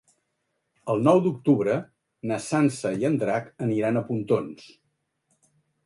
El nou d'octubre na Sança i en Drac aniran a Pontons.